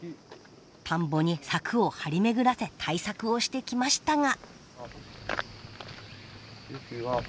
田んぼに柵を張り巡らせ対策をしてきましたが。